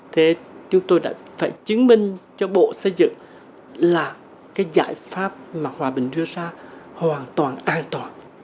thế chúng tôi đã phải chứng minh cho bộ xây dựng là cái giải pháp mà hòa bình đưa ra hoàn toàn an toàn